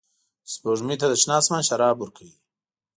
چې سپوږمۍ ته د شنه اسمان شراب ورکوي